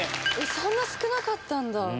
そんな少なかったんだ。